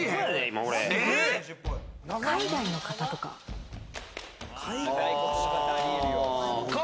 海外の方とか？